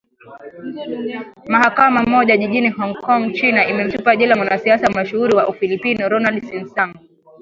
mahakama moja jijini hong kong china imemtupa jela mwanasiasa mashuhuri wa ufilipino ronald sinsang